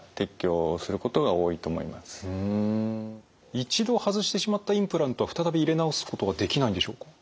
一度外してしまったインプラントは再び入れ直すってことはできないんでしょうか？